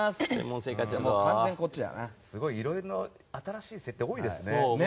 すごい、いろいろ新しい設定が多いですね。